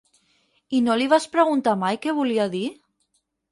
I no li vas preguntar mai què volia dir?